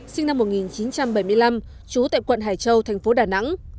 phan văn anh vũ sinh năm một nghìn chín trăm bảy mươi năm trú tại quận hải châu thành phố đà nẵng